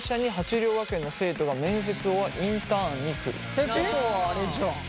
ってことはあれじゃん。